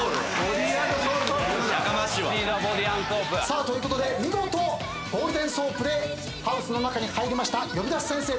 さあということで見事ゴールデンソープでハウスの中に入りました呼び出し先生